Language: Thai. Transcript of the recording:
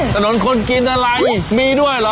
ถนนคนกินอะไรมีด้วยเหรอ